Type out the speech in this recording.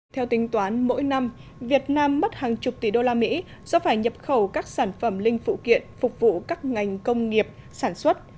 theo tính toán mỗi năm việt nam mất hàng chục tỷ đô la mỹ do phải nhập khẩu các sản phẩm linh phụ kiện phục vụ các ngành công nghiệp sản xuất